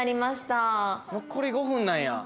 残り５分なんや。